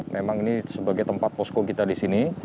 memang ini sebagai tempat posko kita di sini